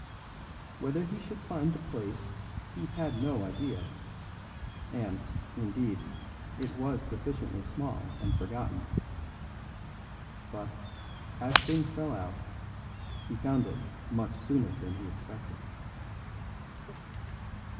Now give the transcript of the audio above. Whether he should find the place he had no idea; and, indeed, it was sufficiently small and forgotten. But, as things fell out, he found it much sooner than he expected.